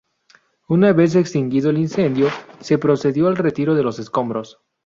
Una vez extinguido el incendio, se procedió al retiro de los escombros.